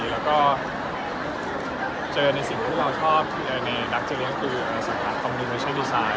แล้วก็เจอในสิ่งที่เราชอบในดักเจอเลี้ยงกลุ่มสังคัญความดูว่าใช่ดีไซน์